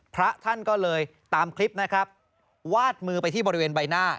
พระท่านก็เลยตามคลิปนะครับวาดมือไปที่บริเวณใบหน้า